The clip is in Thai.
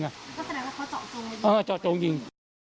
ก็แสดงว่าเขาเจาะจงไปยิง